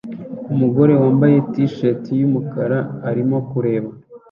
Umugore wambaye t-shati yumukara arimo kureba